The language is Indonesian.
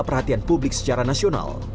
perhatian publik secara nasional